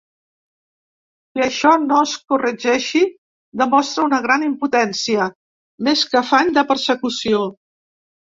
Que això no es corregeixi demostra una gran impotència, més que afany de persecució.